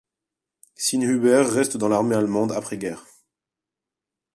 Sinnhuber reste dans l'armée allemande après-guerre.